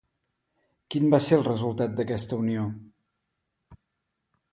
Quin va ser el resultat d'aquesta unió?